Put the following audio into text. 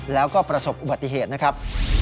แล้วก็ประสบอุบัติเหตุนะครับ